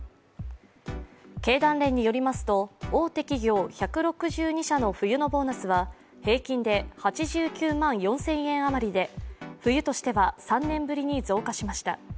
経団連によりますと、大手企業１６２社の冬のボーナスは平均で８９万４０００円余りで冬としては３年ぶりに増加しました。